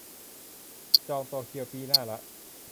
จองโตเกียวปีหน้าละ